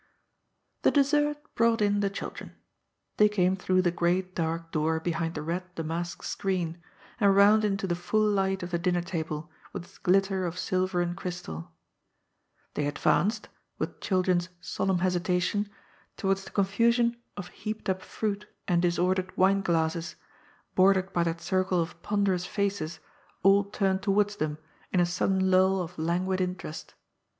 The dessert brought in the children. They came through the great dark door behind the red damask screen, and round into the full light of the dinner table, with its glitter of silver and crystal They advanced — ^with chil dren's solemn hesitation — ^towards the confusion of heaped up fruit and disordered wineglasses, bordered by that circle of ponderous faces all turned towards them in a sudden lull of languid interest.